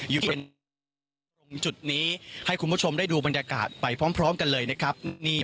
อยู่เป็นตรงจุดนี้ให้คุณผู้ชมได้ดูบรรยากาศไปพร้อมกันเลยนะครับ